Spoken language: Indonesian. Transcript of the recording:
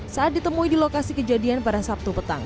saat ditemui di lokasi kejadian pada sabtu petang